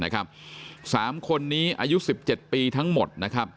๓คนนี้อายุ๑๗ปีทั้งหมด